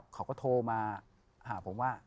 เขาก็โทรมาหาผมว่า